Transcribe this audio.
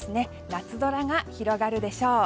夏空が広がるでしょう。